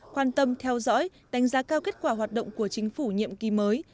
quan tâm theo dõi đánh giá cao kết quả hoạt động của chính phủ nhiệm kỳ mới